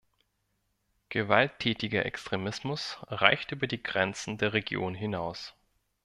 Gewalttätiger Extremismus reicht über die Grenzen der Region hinaus.